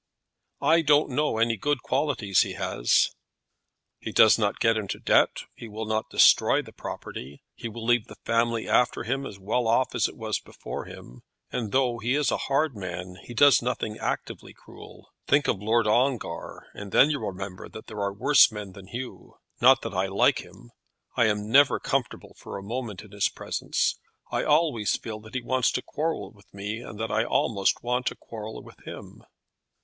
"I don't know any good qualities he has." "He does not get into debt. He will not destroy the property. He will leave the family after him as well off as it was before him, and though he is a hard man, he does nothing actively cruel. Think of Lord Ongar, and then you'll remember that there are worse men than Hugh. Not that I like him. I am never comfortable for a moment in his presence. I always feel that he wants to quarrel with me, and that I almost want to quarrel with him."